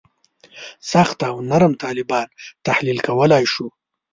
سخت او نرم طالبان تحلیل کولای شو.